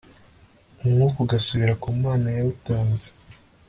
umwuka ugasubira ku mana yawutanze